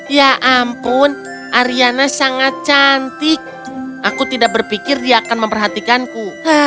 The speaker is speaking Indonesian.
ya ampun ariana sangat cantik aku tidak berpikir dia akan memperhatikanku